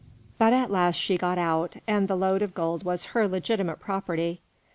But at last she got out, and the load of gold was her legitimate property.